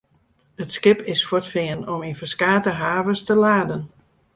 It skip is fuortfearn om yn ferskate havens te laden.